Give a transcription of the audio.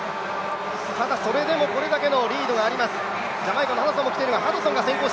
ただ、それでも、これだけのリードがあります。